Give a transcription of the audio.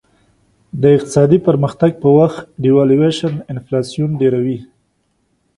د اقتصادي پرمختګ په وخت devaluation انفلاسیون ډېروي.